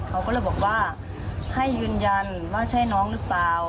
เขาก็เลยบอกว่าให้ยืนยันว่าใช่น้องหรือเปล่า